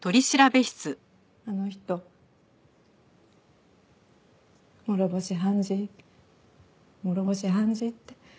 あの人諸星判事諸星判事って。